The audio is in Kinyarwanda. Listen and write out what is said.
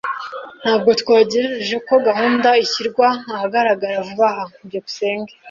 Ntabwo twategereje ko gahunda ishyirwa ahagaragara vuba aha. byukusenge